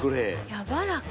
やわらか。